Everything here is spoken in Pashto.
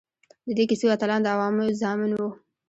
د دې کیسو اتلان د عوامو زامن وو.